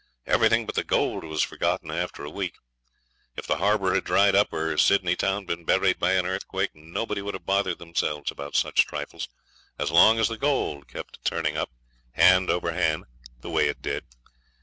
Everything but the gold was forgotten after a week. If the harbour had dried up or Sydney town been buried by an earthquake, nobody would have bothered themselves about such trifles so long as the gold kept turning up hand over hand the way it did.